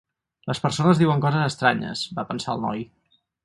Les persones diuen coses estranyes, va pensar el noi.